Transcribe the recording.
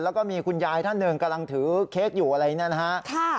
แล้วก็มีคุณยายท่านหนึ่งกำลังถือเค้กอยู่อะไรเนี่ยนะฮะ